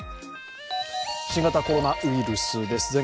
新型コロナウイルスです。